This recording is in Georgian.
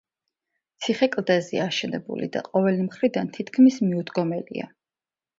ციხე კლდეზეა აშენებული და ყოველი მხრიდან თითქმის მიუდგომელია.